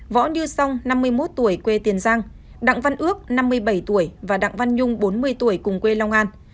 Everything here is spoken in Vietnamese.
võ như song năm mươi một tuổi quê tiền giang đặng văn ước năm mươi bảy tuổi và đặng văn nhung bốn mươi tuổi cùng quê long an